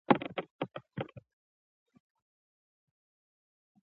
نه محتاج د تاج او ګنج نه د سریر یم.